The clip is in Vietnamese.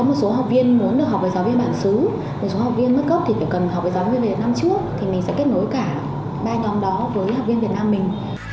nếu cần học với giáo viên việt nam trước thì mình sẽ kết nối cả ba năm đó với học viên việt nam mình